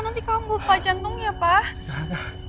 nanti kamu buka jantungnya pak